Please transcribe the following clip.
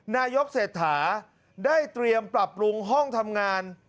นายกเศรษฐาได้เตรียมปรับปรุงห้องทำงาน